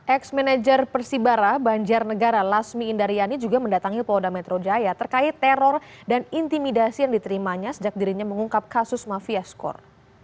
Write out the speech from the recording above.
ex manajer persibara banjarnegara lasmi indaryani juga mendatangi polda metro jaya terkait teror dan intimidasi yang diterimanya sejak dirinya mengungkap kasus mafia skor